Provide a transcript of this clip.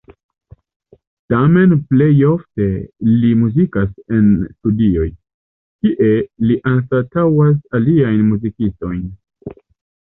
Tamen plej ofte li muzikas en studioj, kie li anstataŭas aliajn muzikistojn.